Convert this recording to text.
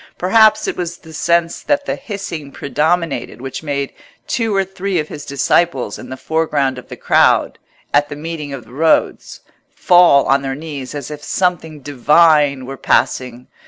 Perhaps it was the sense that the hissing predominated which made two or three of his disciples in the foreground of the crowd, at the meeting of the roads, fall on their knees as if something divine were passing.